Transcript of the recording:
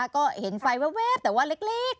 ก็เห็นไฟแว๊บแต่ว่าเล็ก